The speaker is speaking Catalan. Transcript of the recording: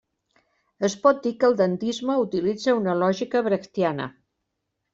Es pot dir que el dandisme utilitza una lògica brechtiana.